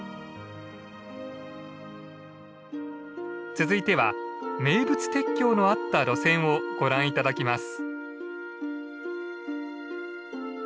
続いては名物鉄橋のあった路線をご覧頂きます。